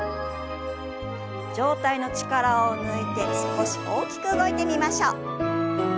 上体の力を抜いて少し大きく動いてみましょう。